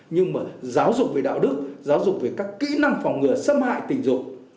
nhưng mà giáo dục về đạo đức giáo dục về các kỹ năng phòng ngừa xâm hại tình dục